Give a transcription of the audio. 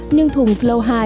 nhưng thùng flow hai